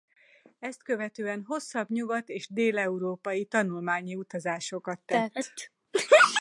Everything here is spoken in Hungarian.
Ezt követően hosszabb nyugat- és dél-európai tanulmányi utazásokat tett.